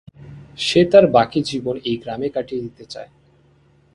সে তার বাকি জীবন এই গ্রামে কাটিয়ে দিতে চায়।